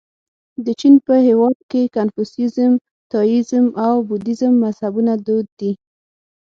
د چین په هېواد کې د کنفوسیزم، تائویزم او بودیزم مذهبونه دود دي.